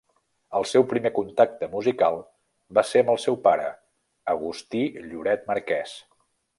El seu primer contacte musical va ser amb el seu pare, Agustí Lloret Marqués.